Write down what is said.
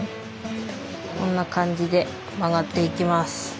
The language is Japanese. こんな感じで曲がっていきます。